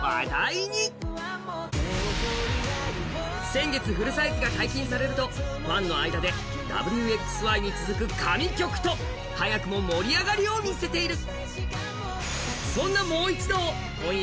先月フルサイズが解禁されるとファンの間で「Ｗ／Ｘ／Ｙ」に続く、神曲と早くも盛り上がりを見せている。